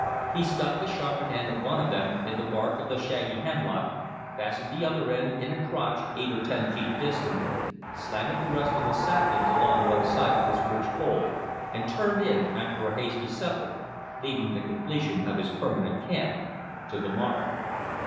He stuck the sharpened end of one of them in the bark of the shaggy hemlock, fastened the other end in a crotch eight or ten feet distant, slanted the rest of the saplings along one side of this ridge pole, and turned in, after a hasty supper, leaving the completion of his permanent camp to the morrow.